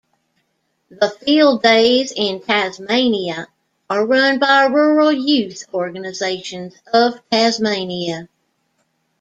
The Field days in Tasmania are run by Rural Youth organisation of Tasmania.